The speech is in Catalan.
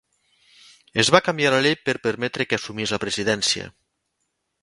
Es va canviar la llei per permetre que assumís la presidència.